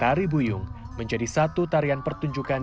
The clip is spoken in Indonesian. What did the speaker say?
tari buyung menjadi satu tarian pertunjukan